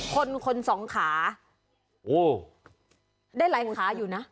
คนคนสองขาโอ้ได้หลายขาอยู่นะ